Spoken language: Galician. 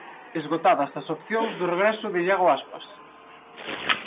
Esgotadas as opcións do regreso de Iago Aspas.